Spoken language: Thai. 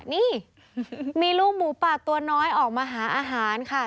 นี่มีลูกหมูป่าตัวน้อยออกมาหาอาหารค่ะ